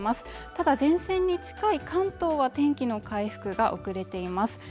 ただ前線に近い関東は天気の回復が遅れていますね